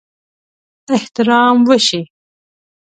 احترام وشي.